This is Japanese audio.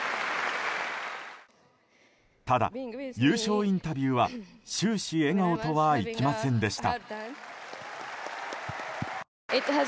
ただ、優勝インタビューは終始笑顔とはいきませんでした。